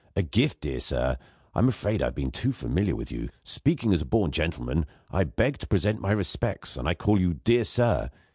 A gift, dear sir! I'm afraid I've been too familiar with you. Speaking as a born gentleman, I beg to present my respects, and I call you 'dear sir.'